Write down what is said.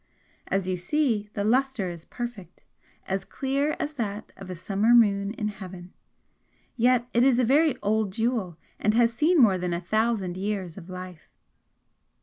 As you see, the lustre is perfect as clear as that of a summer moon in heaven. Yet it is a very old jewel and has seen more than a thousand years of life."